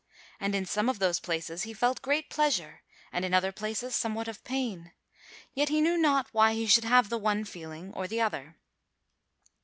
And in some of those places he felt great pleasure and in other places somewhat of pain, yet he knew not why he should have the one feeling or the other.